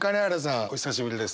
お久しぶりです。